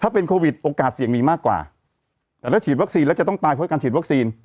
ถ้าเป็นโควิดโอกาสเสี่ยงมีมากกว่าแต่ถ้าฉีดวัคซีนแล้วจะต้องตายเพราะการฉีดวัคซีน